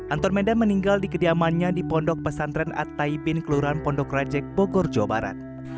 anton medan meninggal di kediamannya di pondok pesantren at taibin kelurahan pondok rajek bogor jawa barat